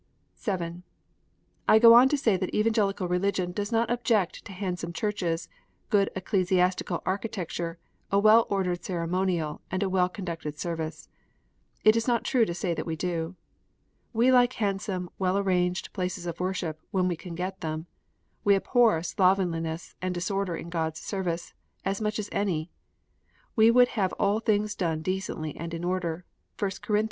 (7) I go on to say that Evangelical Religion does not object to handsome churches, good ecclesiastical architecture, a well ordered ceremonial, and a well conducted service. It is not true to say that we do. We like handsome, well arranged places of worship, when we can get them. We abhor slovenli ness and disorder in God s service, as much as any. We would have all things done "decently and in order." (1 Cor. xiv.